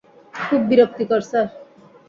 খুব বিরক্তিকর স্যার।